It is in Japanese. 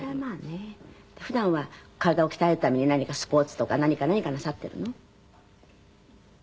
普段は体を鍛えるために何かスポーツとか何かなさってるの？